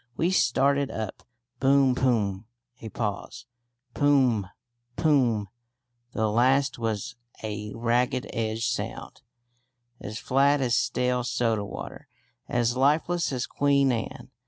We started up. Boom poom (a pause). Pom m poom m. The last was a ragged edged sound, as flat as stale soda water, as lifeless as Queen Anne.